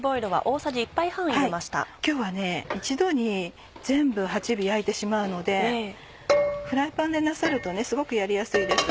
今日は一度に全部８尾焼いてしまうのでフライパンでなさるとすごくやりやすいです。